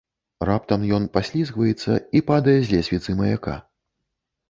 Раптам, ён паслізгваецца і падае з лесвіцы маяка.